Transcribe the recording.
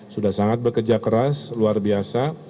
sudah sangat bekerja keras luar biasa